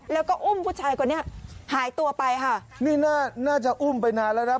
แล้วก็อุ้มผู้ชายคนนี้หายตัวไปค่ะนี่น่าจะอุ้มไปนานแล้วนะ